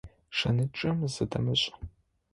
Шэнычъэм зыдэмышӏ.